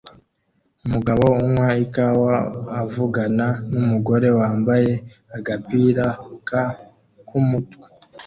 Umugabo unywa ikawa avugana numugabo wambaye agapira ka kumutwe